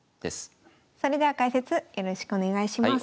それでは解説よろしくお願いします。